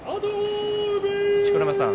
錣山さん